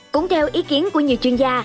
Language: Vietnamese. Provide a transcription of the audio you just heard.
cũng theo ý kiến của nhiều chuyên gia